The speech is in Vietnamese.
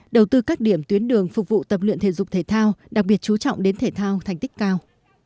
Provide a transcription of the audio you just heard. đầu tư các điểm tuyến đường phục vụ tập luyện thể dục thể thao đặc biệt chú trọng đến thể thao thành tích cao